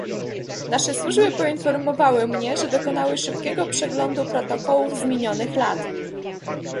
Nasze służby poinformowały mnie, że dokonały szybkiego przeglądu protokołów z minionych lat